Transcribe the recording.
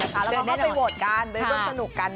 เดี๋ยวเราก็ไปโหวตกันไปด้วยสนุกกัน